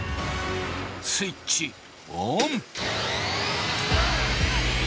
スイッチオン！